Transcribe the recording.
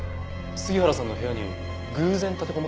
杉原さんの部屋に偶然立てこもったって事ですか？